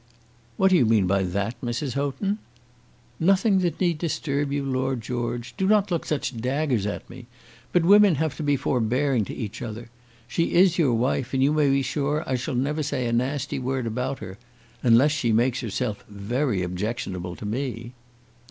"What do you mean by that, Mrs. Houghton?" "Nothing that need disturb you, Lord George. Do not look such daggers at me. But women have to be forbearing to each other. She is your wife, and you may be sure I shall never say a nasty word about her, unless she makes herself very objectionable to me."